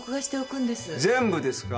全部ですか？